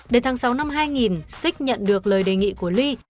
đến tháng sáu năm hai nghìn sik nhận được lời đề nghị của lee